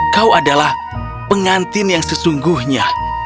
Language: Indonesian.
kau adalah pengantin yang sesungguhnya